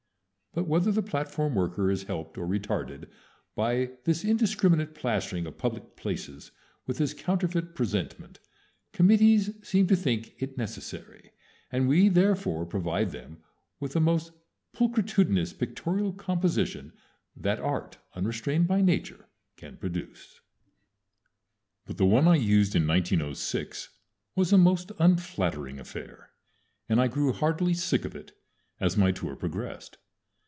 But, whether the platform worker is helped or retarded by this indiscriminate plastering of public places with his counterfeit presentment, committees seem to think it necessary, and we therefore provide them with the most pulchritudinous pictorial composition that Art, unrestrained by Nature, can produce. But the one I used in 1906 was a most unflattering affair, and I grew heartily sick of it as my tour progressed.